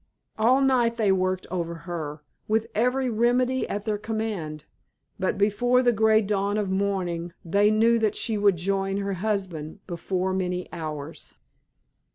All night they worked over her, with every remedy at their command, but before the grey dawn of morning they knew that she would join her husband before many hours.